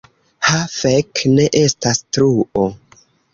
Ha fek' ne estas truo!